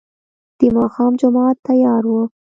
د ماښام جماعت تيار و.